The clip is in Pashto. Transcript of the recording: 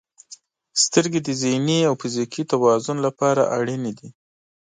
• سترګې د ذهني او فزیکي توازن لپاره اړینې دي.